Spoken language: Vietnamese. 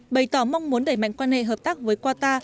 bày tỏ mong muốn đẩy mạnh quan hệ hợp tác với qatar